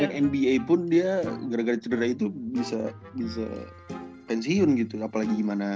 dengan nba pun dia gara gara cedera itu bisa pensiun gitu apalagi gimana